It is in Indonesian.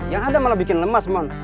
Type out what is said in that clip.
yang ada malah bikin lemas